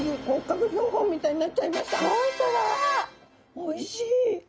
おいしい！